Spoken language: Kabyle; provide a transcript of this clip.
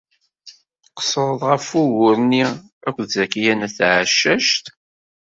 Tqeṣṣred ɣef wugur-nni akked Zakiya n Tɛeccact.